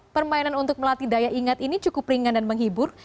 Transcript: permainan untuk melatih daya ingat ini cukup ringan dan menghibur